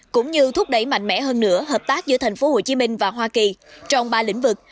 cũng như thúc đẩy mạnh mẽ hơn nữa hợp tác giữa tp hcm và hoa kỳ trong ba lĩnh vực